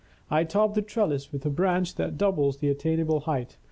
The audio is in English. I top the trellis with a branch that doubles the attainable height.